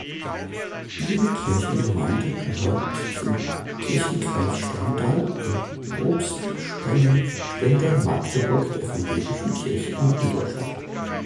Ihre Kirchengemeinde gehört zum Kirchenkreis Stendal im Propstsprengel Stendal-Magdeburg der Evangelischen Kirche in Mitteldeutschland.